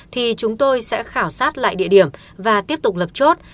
thì chúng tôi sẽ khảo sát lại địa điểm và tiếp tục lập chốt